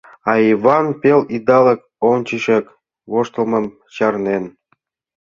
А Йыван пел идалык ончычак воштылмым чарнен.